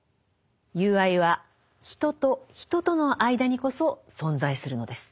友愛は人と人との間にこそ存在するのです。